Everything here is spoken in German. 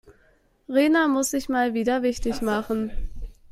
Rena muss sich mal wieder wichtig machen.